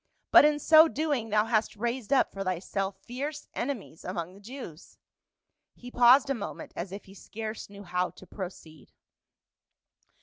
But in so doing thou hast raised up for thyself fierce enemies among the Jews." He paused a moment as if he scarce knew how to proceed.